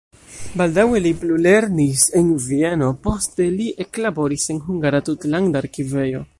Baldaŭe li plulernis en Vieno, poste li eklaboris en "Hungara Tutlanda Arkivejo".